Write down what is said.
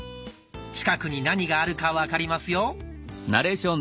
近くに何があるか分かりますよ。